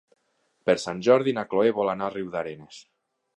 Per Sant Jordi na Cloè vol anar a Riudarenes.